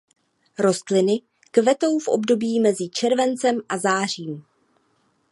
Rostliny kvetou v období mezi červencem a zářím.